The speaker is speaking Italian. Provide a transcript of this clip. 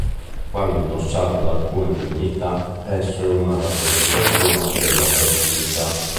Quando indossato da alcune divinità, esso è una rappresentazione della fertilità.